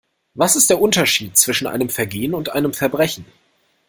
Was ist der Unterschied zwischen einem Vergehen und einem Verbrechen?